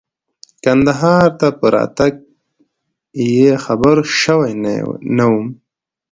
کندهار ته په راتګ یې خبر شوی نه وم.